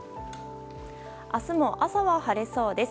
明日も朝は晴れそうです。